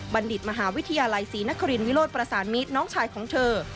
ดิตมหาวิทยาลัยศรีนครินวิโรธประสานมิตรน้องชายของเธอ